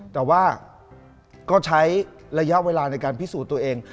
แต่ว่าก็ใช้ระยะเวลาในการพิสูจน์ตัวเอง